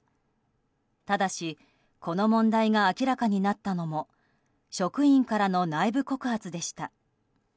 ただし、この問題が明らかになったのも職員からの内部告発でした。